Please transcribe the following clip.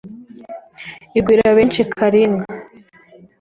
igwira benshi karinga,